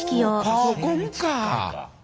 パソコンか。